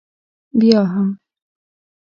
بیا هم؟